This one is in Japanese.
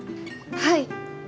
はい！